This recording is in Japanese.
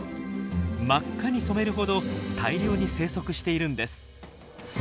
真っ赤に染めるほど大量に生息しているんです。